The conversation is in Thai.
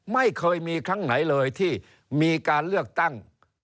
ไม่เคยมีครั้งไหนเลยที่มีการเลือกตั้ง